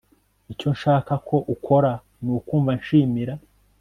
icyo nshaka ko ukora nukumva nshimira